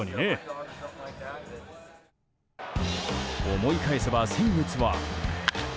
思い返せば、先月は。